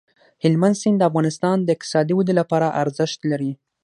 هلمند سیند د افغانستان د اقتصادي ودې لپاره ارزښت لري.